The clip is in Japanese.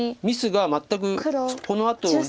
ミスが全くこのあと。